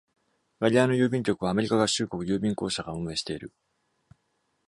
ガリアーノ郵便局は、アメリカ合衆国郵便公社が運営している。